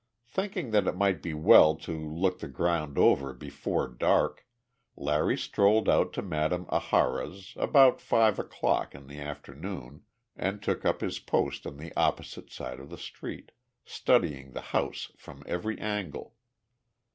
Thinking that it might be well to look the ground over before dark, Larry strolled out to Madame Ahara's about five o'clock in the afternoon and took up his position on the opposite side of the street, studying the house from every angle.